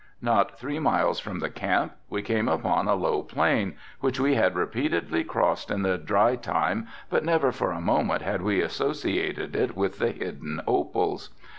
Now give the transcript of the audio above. Not three miles from the camp we came upon a low plain which we had repeatedly, crossed in the dry time but never for a moment had we associated it with the hidden opals.